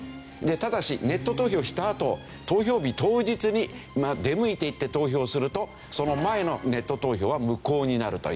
ただしネット投票したあと投票日当日に出向いていって投票するとその前のネット投票は無効になるという。